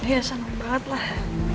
ya seneng banget lah